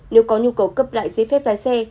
nếu có nhu cầu cấp lại giấy phép lái xe